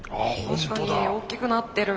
確かに大きくなってる。